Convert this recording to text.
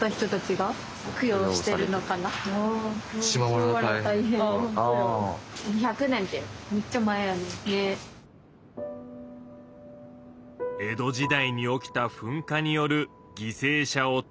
江戸時代に起きた噴火による犠牲者をとむらう供養塔だ。